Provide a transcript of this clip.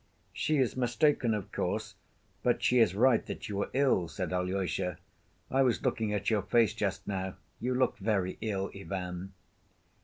"She is mistaken, of course; but she is right that you are ill," said Alyosha. "I was looking at your face just now. You look very ill, Ivan."